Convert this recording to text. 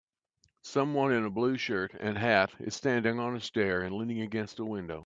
Someone in a blue shirt and hat is standing on stair and leaning against a window.